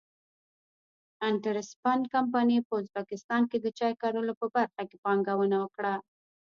انټرسپن کمپنۍ په ازبکستان کې د چای کرلو په برخه کې پانګونه وکړه.